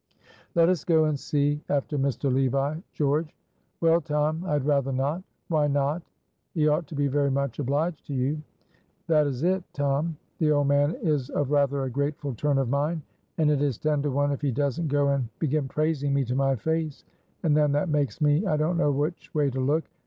"Let us go and see after Mr. Levi, George." "Well, Tom, I had rather not." "Why not? he ought to be very much obliged to you." "That is it, Tom. The old man is of rather a grateful turn of mind and it is ten to one if he doesn't go and begin praising me to my face and then that makes me I don't know which way to look.